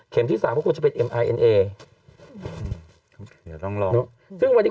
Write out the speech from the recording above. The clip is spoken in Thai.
เข็มที่สามก็ควรจะเป็นเอ็นเอ้าอย่าต้องลองซึ่งวันนี้